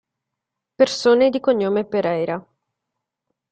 Persone di cognome Pereira